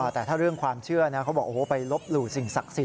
แต่ถ้าเรื่องความเชื่อนะเขาบอกโอ้โหไปลบหลู่สิ่งศักดิ์สิท